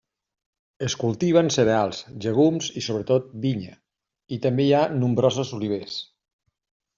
Es cultiven cereals, llegum i sobretot vinya i també hi ha nombroses oliveres.